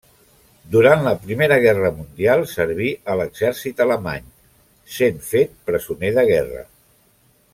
Durant la Primera Guerra Mundial serví a l'exèrcit alemany, sent fet presoner de guerra.